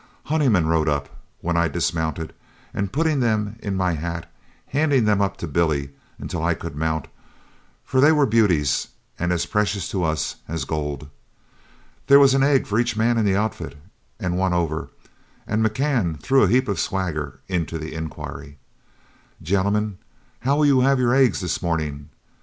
Honeyman rode up, when I dismounted, and putting them in my hat, handed them up to Billy until I could mount, for they were beauties and as precious to us as gold. There was an egg for each man in the outfit and one over, and McCann threw a heap of swagger into the inquiry, "Gentlemen, how will you have your eggs this morning?"